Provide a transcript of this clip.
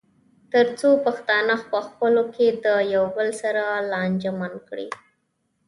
تر څو پښتانه پخپلو کې د یو بل سره لانجمن کړي.